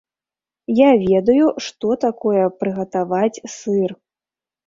Я ведаю, што такое прыгатаваць сыр.